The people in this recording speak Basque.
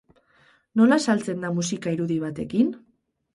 Nola saltzen da musika irudi batekin?